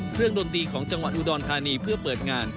เครื่องดนตรีของจังหวัดอุดอนภาณีเพื่อเปิดงาน